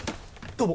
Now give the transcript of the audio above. どうも！